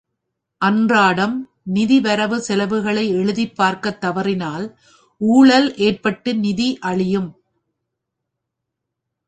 அன்றாடம் நிதி வரவு செலவுகளை எழுதிப் பார்க்கத் தவறினால் ஊழல் ஏற்பட்டு நிதி அழியும்.